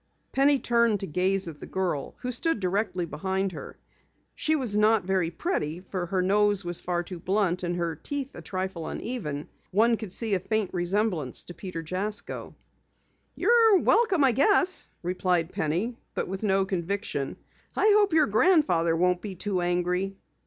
Penny turned to gaze at the girl who stood directly behind her. She was not very pretty, for her nose was far too blunt and her teeth a trifle uneven. One could see a faint resemblance to Peter Jasko. "You're welcome, I guess," replied Penny, but with no conviction. "I hope your grandfather won't be too angry."